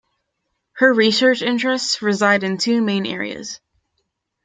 Her research interests reside in two main areas.